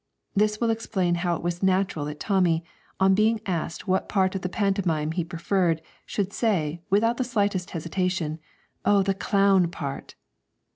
This will explain how it was natural that Tommy, on being asked which part of the pantomime he preferred, should say, without the slightest hesitation, 'Oh, the clown part!'